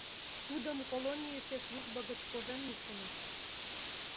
Тудым колонийысе службо гыч кожен луктыныт.